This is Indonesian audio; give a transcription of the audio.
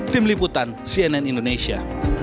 tim liputan cnn indonesia